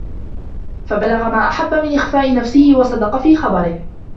فَبَلَغَ مَا أَحَبَّ مِنْ إخْفَاءِ نَفْسِهِ وَصَدَقَ فِي خَبَرِهِ